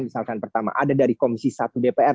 misalkan pertama ada dari komisi satu dpr